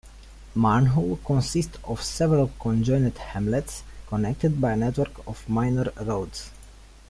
Marnhull consists of several conjoined hamlets, connected by a network of minor roads.